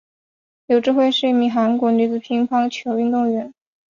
柳智惠是一名韩国女子乒乓球运动员。